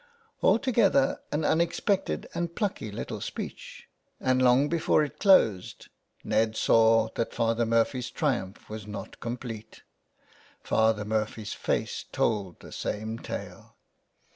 Altogether an unexpected and plucky little speech, and long before it closed Ned saw that Father 382 THE WILD GOOSE. Murphy's triumph was not complete. Father Murphy's face told the same tale.